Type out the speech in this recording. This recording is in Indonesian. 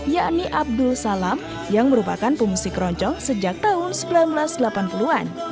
yakni abdul salam yang merupakan pemusik keroncong sejak tahun seribu sembilan ratus delapan puluh an